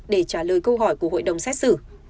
để trả lời câu hỏi của hội đồng xét xử